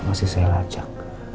masih saya lajak